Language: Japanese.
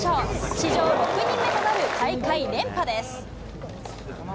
史上６人目となる大会連覇です。